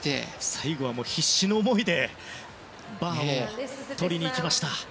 最後は必死の思いでバーを取りにいきました